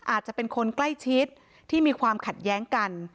อาจจะเป็นคนใกล้ชิดที่มีความขัดแย้งกัน